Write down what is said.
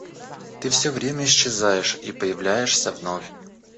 Ты всё время исчезаешь и появляешься вновь.